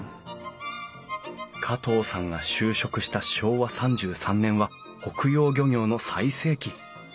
加藤さんが就職した昭和３３年は北洋漁業の最盛期。